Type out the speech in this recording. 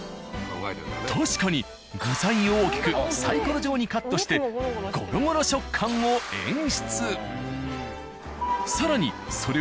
確かに具材を大きくサイコロ状にカットしてゴロゴロ食感を演出。